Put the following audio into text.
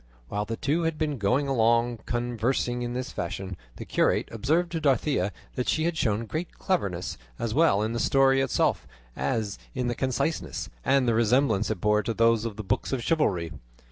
While the two had been going along conversing in this fashion, the curate observed to Dorothea that she had shown great cleverness, as well in the story itself as in its conciseness, and the resemblance it bore to those of the books of chivalry.